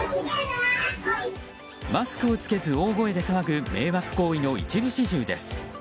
マスクを着けず大声で騒ぐ迷惑行為の一部始終です。